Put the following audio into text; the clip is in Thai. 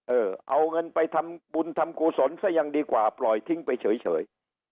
เออเอาเงินไปทำบุญทำกุศลซะยังดีกว่าปล่อยทิ้งไปเฉย